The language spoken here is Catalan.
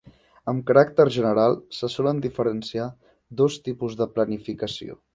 Amb caràcter general se solen diferenciar dos tipus de planificació.